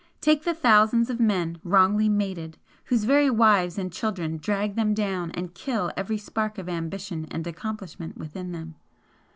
Take the thousands of men wrongly mated, whose very wives and children drag them down and kill every spark of ambition and accomplishment within them!